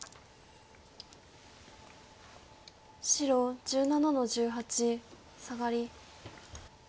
白１７の十八サガリ。